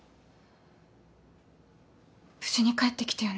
無事に帰ってきてよね